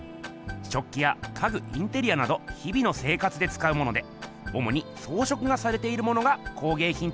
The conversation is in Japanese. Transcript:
食器や家具インテリアなど日々の生活でつかうものでおもにそうしょくがされているものが工げいひんとよばれています。